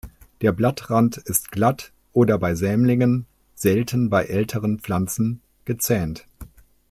Der Blattrand ist glatt oder bei Sämlingen, selten bei älteren Pflanzen, gezähnt.